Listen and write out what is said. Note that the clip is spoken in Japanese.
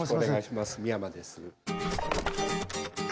美山です。